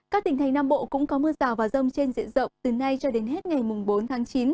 các tỉnh thành nam bộ cũng có mưa rào và rông trên diện rộng từ nay cho đến hết ngày bốn tháng chín